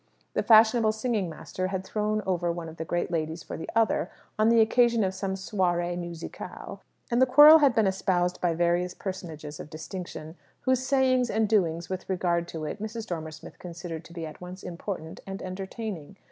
The fashionable singing master had thrown over one of the great ladies for the other, on the occasion of some soirée musicale; and the quarrel had been espoused by various personages of distinction, whose sayings and doings with regard to it Mrs. Dormer Smith considered to be at once important and entertaining.